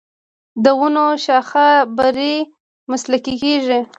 د ونو شاخه بري مسلکي کیږي.